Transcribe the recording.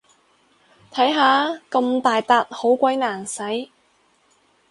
睇下，咁大撻好鬼難洗